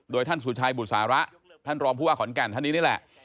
โดยท่านสุชัยบุษาะท่านรองผู้ว่าขอนแก่นท่านนี้นี่แหละ